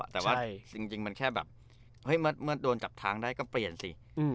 ใช่แต่ว่าจริงจริงมันแค่แบบเฮ้ยเมื่อเมื่อโดนจับทางได้ก็เปลี่ยนสิอืม